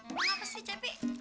ngapain sih cepi